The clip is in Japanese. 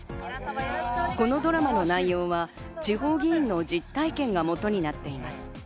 このドラマの内容は地方議員の実体験が元になっています。